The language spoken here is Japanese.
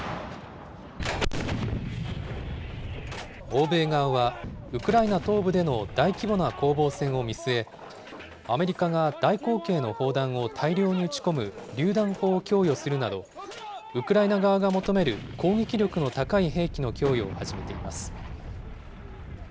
欧米側は、ウクライナ東部での大規模な攻防戦を見据え、アメリカが大口径の砲弾を大量に撃ち込むりゅう弾砲を供与するなど、ウクライナ側が求める攻撃力の高い兵器の供与を始めています。